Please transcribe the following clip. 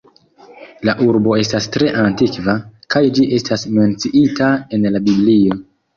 La urbo estas tre antikva, kaj ĝi estas menciita en la Biblio.